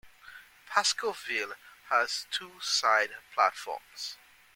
Pascoe Vale has two side platforms.